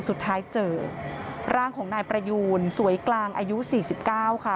สุดท้ายเจอร่างของนายประยูนสวยกลางอายุสี่สิบเก้าค่ะ